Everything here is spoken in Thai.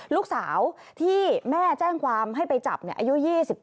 ลูกสาวที่แม่แจ้งความให้ไปจับอายุ๒๗